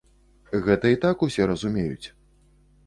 Гэта і так усе разумеюць.